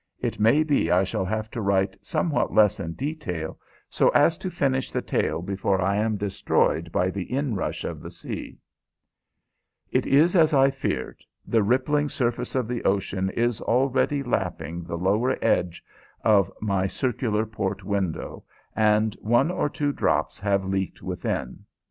It may be I shall have to write somewhat less in detail so as to finish the tale before I am destroyed by the inrush of the sea. It is as I feared. The rippling surface of the ocean is already lapping the lower edge of my circular port window, and one or two drops have leaked within.